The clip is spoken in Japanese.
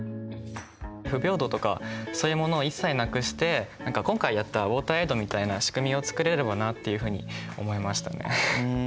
不平等とかそういうものを一切なくして今回やったウォーターエイドみたいな仕組みを作れればなっていうふうに思いましたね。